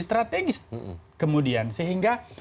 strategis kemudian sehingga